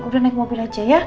udah naik mobil aja ya